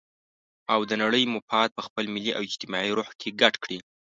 او د نړۍ مفاد په خپل ملي او اجتماعي روح کې ګډ کړي.